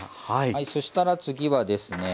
そしたら次はですね